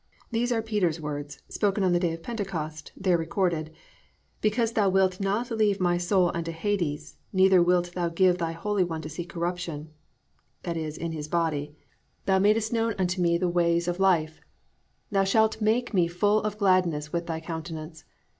These are Peter's words, spoken on the day of Pentecost, there recorded, +"Because thou wilt not leave my soul unto Hades, neither wilt thou give thy holy one to see corruption+ (i.e., in His body). +Thou madest known unto me the ways of life; thou shalt make me full of gladness with thy countenance.